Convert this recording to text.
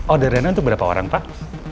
orderannya untuk berapa orang pak